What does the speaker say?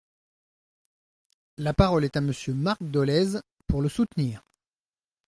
La parole est à Monsieur Marc Dolez, pour le soutenir.